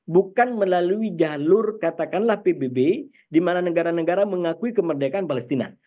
bukan melalui jalur katakanlah pbb di mana negara negara mengakui kemerdekaan palestina